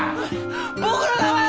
僕の名前は。